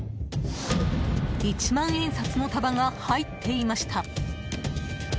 一万円札の束が入っていました。